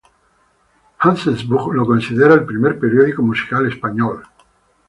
Hartzenbusch lo considera el primer periódico musical español.